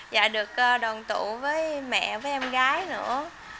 dạ được đồng tụ với mẹ với em gái nữa